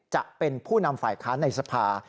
จะเป็นผู้นำฝ่ายค้านในสภา